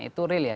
itu real ya